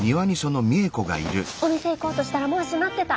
お店行こうとしたらもう閉まってた。